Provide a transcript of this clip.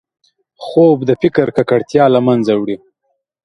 خوب د فکر ککړتیا له منځه وړي